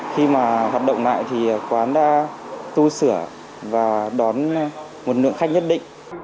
khi mà hoạt động lại thì quán đã tu sửa và đón một lượng khách nhất định